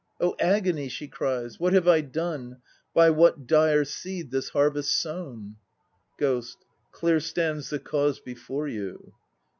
"Oh, agony!" she cries, "What have I done, By what dire seed this harvest sown?" GHOST. Clear stands the cause before you.